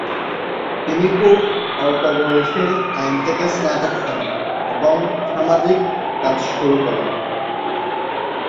তিনি খুব অল্প বয়সেই আইন থেকে স্নাতক হন এবং সামাজিক কাজ শুরু করেন।